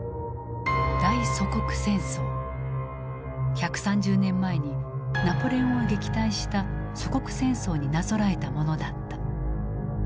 １３０年前にナポレオンを撃退した「祖国戦争」になぞらえたものだった。